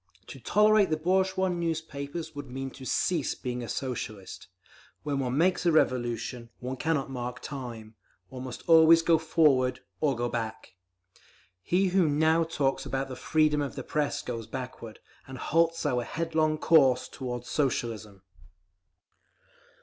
To tolerate the bourgeois newspapers would mean to cease being a Socialist. When one makes a Revolution, one cannot mark time; one must always go forward—or go back. He who now talks about the 'freedom of the Press' goes backward, and halts our headlong course toward Socialism.